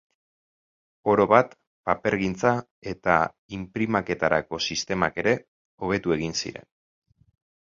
Orobat papergintza eta inprimaketarako sistemak ere hobetu egin ziren.